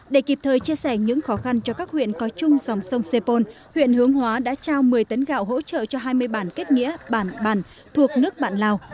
để kịp thời chia sẻ những khó khăn cho các huyện có chung dòng sông sê pôn huyện hướng hóa đã trao một mươi tấn gạo hỗ trợ cho hai mươi bản kết nghĩa bản bản thuộc nước bạn lào